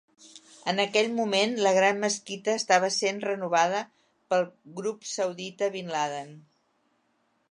En aquell moment, la Gran Mesquita estava sent renovada pel Grup Saudita Binladin.